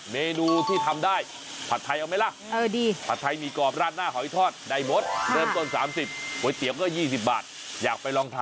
เมนูที่ทำได้ผัดไทยเอาไหมล่ะ